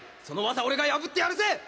その技俺が破ってやるぜ！